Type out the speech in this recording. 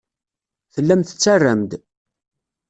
Tellam tettarram-d.